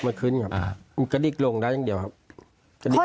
มันก็ดิกลงได้อย่างเดียวครับ